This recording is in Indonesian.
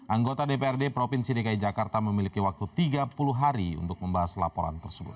anggota dprd provinsi dki jakarta memiliki waktu tiga puluh hari untuk membahas laporan tersebut